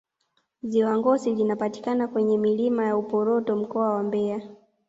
Ziwa Ngosi linapatikana kwenye milima ya Uporoto Mkoa wa Mbeya